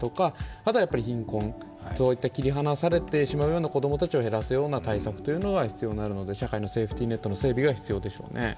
あとは貧困、そういった切り離されてしまうような子供たちを減らすような対策が必要になるので、社会のセーフティーネットの整備が必要になるでしょうね。